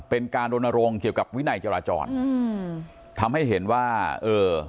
เป็นการรณรงค์เกี่ยวกับวินัยจราจรอืมทำให้เห็นว่าเออ